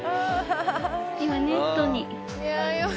今ネットに。